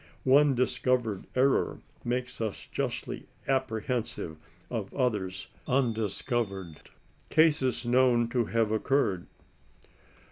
One dis covered error makes us justly apprehensive of others undis covered. GASES KNOWN TO HAVE OCCURRED.